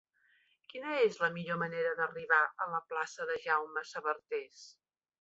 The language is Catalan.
Quina és la millor manera d'arribar a la plaça de Jaume Sabartés?